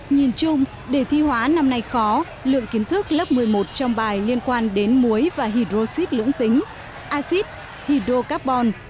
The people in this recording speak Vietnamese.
nhìn chung đề thi hóa năm nay khó lượng kiến thức lớp một mươi một trong bài liên quan đến muối và hydroxid lưỡng tính acid hydrocarbon